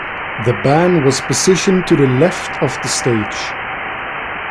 The band was positioned to the left of stage.